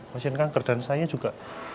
pasien kanker dan saya juga